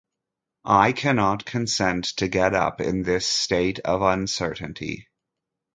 I cannot consent to get up, in this state of uncertainty.